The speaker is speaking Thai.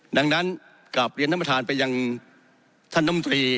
ดังนั้นกราบเรียนท่านประธานเป็นอย่างท่านดมตรี